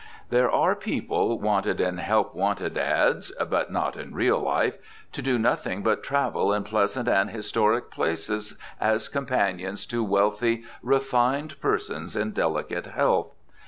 There are people wanted in help wanted "ads" (but not in real life) to do nothing but travel in pleasant and historic places as companions to wealthy, "refined" persons in delicate health.